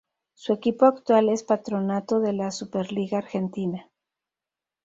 Su equipo actual es Patronato de la Superliga Argentina.